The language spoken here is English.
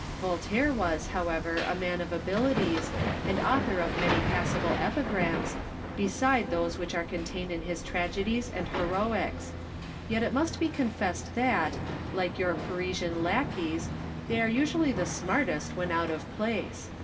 Voltaire was, however, a man of abilities, and author of many passable epigrams, 170 IMAGINARY CONVERSATIONS. beside those which are contained in his tragedies and heroics ; yet it must be confessed that, like your Parisian lackeys, they are usually the smartest when out of place. Delille.